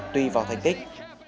tùy vào thành tích